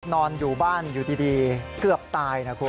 นอนอยู่บ้านอยู่ดีเกือบตายนะคุณ